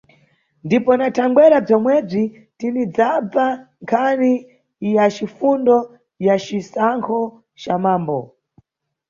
Ndipo na thangwera bzomwebzi tinidzabva nkhani ya cifundo ya cisankho ca mambo.